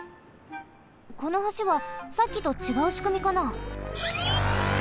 この橋はさっきとちがうしくみかな？